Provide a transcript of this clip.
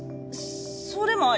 それもあり